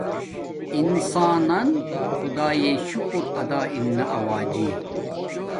انسان نن خداݵݵ شکر ارنا آوجی